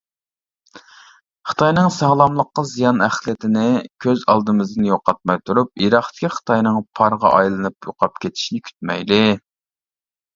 خىتاينىڭ ساغلاملىققا زىيان ئەخلىتىنى كۆز ئالدىمىزدىن يوقاتماي تۇرۇپ يىراقتىكى خىتاينىڭ پارغا ئايلىنىپ يوقاپ كېتىشىنى كۈتمەيلى.